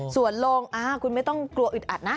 ส่วนลงคุณไม่ต้องกลัวอึดอัดนะ